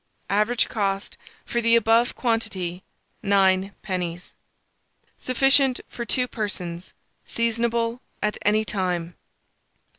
Average cost for the above quantity, 9d. Sufficient for 2 persons. Seasonable at any time.